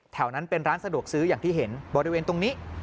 แถวนั้นเป็นร้านสะดวกซื้ออย่างที่เห็นบริเวณตรงนี้